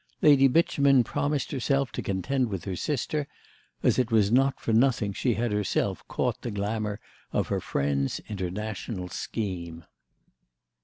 Lady Beauchemin promised herself to contend with her sister, as it was not for nothing she had herself caught the glamour of her friend's international scheme.